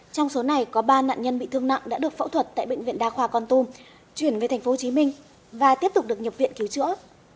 trong số này có ba nạn nhân bị thương nặng đã được phẫu thuật tại bệnh viện đa khoa con tum chuyển về tp hcm và tiếp tục được nhập viện cứu chữa